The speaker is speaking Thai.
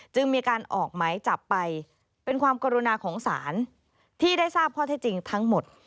จึงมีการออกหมายจับไปเป็นความกรุณาของศาลที่ได้ทราบข้อเท็จจริงทั้งหมด